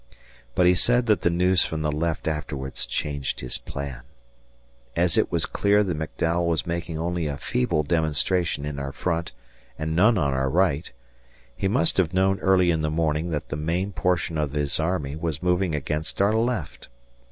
But he said that the news from the left afterwards changed his plan. As it was clear that McDowell was making only a feeble demonstrationin our front and none on our right, he must have known early in the morning that the main portion of his army was moving against our left.